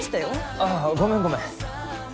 あっごめんごめん。